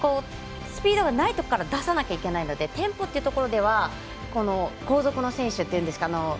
スピードがないところから出さなきゃいけないのでテンポということではこの後続の選手っていうんですか